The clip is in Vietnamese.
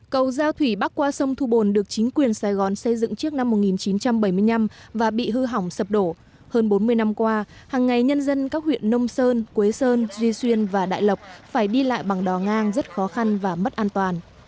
cầu giao thủy bắc qua sông thu bồn được chính quyền sài gòn xây dựng trước năm một nghìn chín trăm bảy mươi năm và bị hư hỏng sập đổ hơn bốn mươi năm qua hằng ngày nhân dân các huyện nông sơn quế sơn duy xuyên và đại lộc phải đi lại bằng đò ngang rất khó khăn và mất an toàn